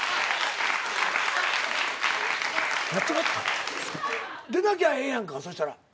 間違って？出なきゃええやんかそしたら。